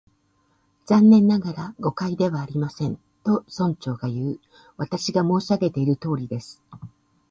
「残念ながら、誤解ではありません」と、村長がいう。「私が申し上げているとおりです」